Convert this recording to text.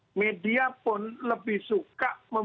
nah selama ini yang disorot itu selalu penegakan hukum